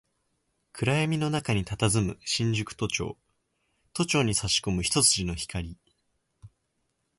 暗闇の中に佇む新宿都庁、都庁に差し込む一筋の光